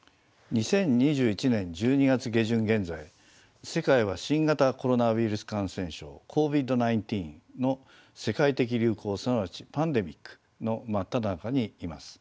２０２１年１２月下旬現在世界は新型コロナウイルス感染症ＣＯＶＩＤ−１９の世界的流行すなわちパンデミックの真っただ中にいます。